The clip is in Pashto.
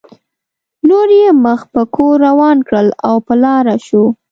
نور یې مخ په کور روان کړل او په لاره شو.